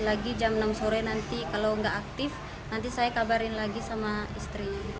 lidia berharap suaminya dan para kru kapal lain segera ditemukan dalam keadaan selamat